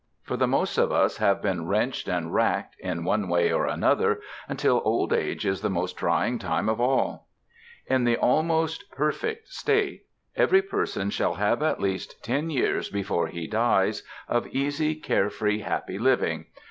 For the most of us have been wrenched and racked, in one way or another, until old age is the most trying time of all. In the Almost Perfect State every person shall have at least ten years before he dies of easy, carefree, happy living